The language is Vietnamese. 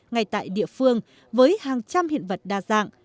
ngay tại địa phương với hàng trăm hiện vật đa dạng